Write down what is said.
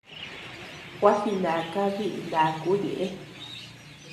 Gua jinaka biʼi ndakuu ñeʼe.